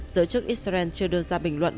giới chức israel chưa đưa ra bình luận